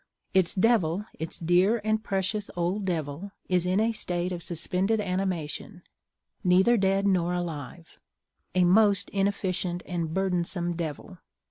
Its Devil, its dear and precious old Devil, is in a state of suspended animation, neither dead nor alive; a most inefficient and burdensome Devil.